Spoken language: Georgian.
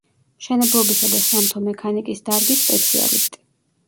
მშენებლობისა და სამთო მექანიკის დარგის სპეციალისტი.